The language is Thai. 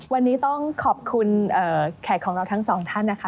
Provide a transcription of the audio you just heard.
วันนี้ต้องขอบคุณแขกของเราทั้งสองท่านนะคะ